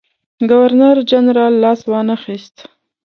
ګورنرجنرال لاس وانه خیست.